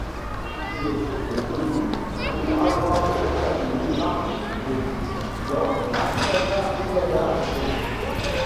Il est surtout connu pour avoir incarné Marcus Brody dans la saga Indiana Jones.